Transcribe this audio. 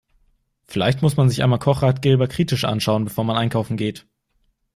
Vielleicht muss man sich einmal Kochratgeber kritisch anschauen, bevor man einkaufen geht.